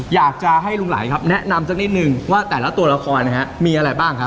อยากจะให้ลุงไหลครับแนะนำสักนิดนึงว่าแต่ละตัวละครนะฮะมีอะไรบ้างครับ